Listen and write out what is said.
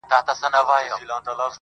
دا څو شپې کيږي له يوسفه سره لوبې کوم~